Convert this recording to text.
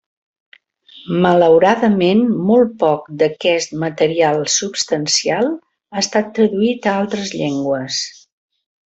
Malauradament, molt poc d'aquest material substancial ha estat traduït a altres llengües.